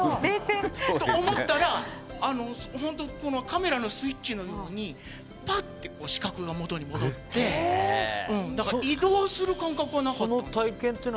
そう思ったらカメラのスイッチのようにぱっと視覚が元に戻って移動する感覚はなかったんです。